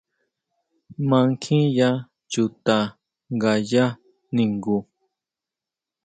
¿Mankjiya chuta ngaya ningu?